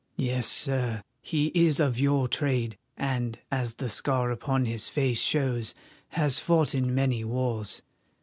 "Yes, Sir, he is of your trade and, as the scar upon his face shows, has fought in many wars.